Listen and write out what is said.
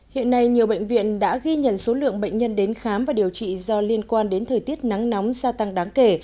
hiện nay nhiều bệnh viện đã ghi nhận số lượng bệnh nhân đến khám và điều trị do liên quan đến thời tiết nắng nóng gia tăng đáng kể